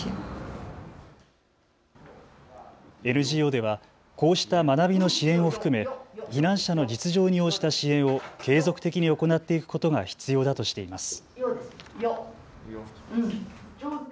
ＮＧＯではこうした学びの支援を含め避難者の実情に応じた支援を継続的に行っていくことが必要だとしています。